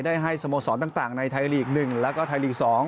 ให้สโมสรต่างในไทยลีก๑แล้วก็ไทยลีก๒